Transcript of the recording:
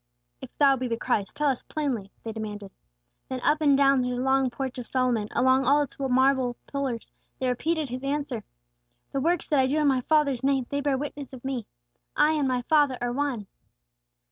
"If Thou be the Christ, tell us plainly," they demanded. Then up and down through the long Porch of Solomon, among all its white marble pillars, they repeated His answer: "The works that I do in my Father's name, they bear witness of me. I and my Father are one!"